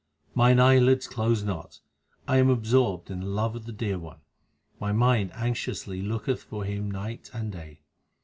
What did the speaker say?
Mine eyelids close not ; I am absorbed in the love of the Dear One ; my mind anxiously looketh for Him night and day.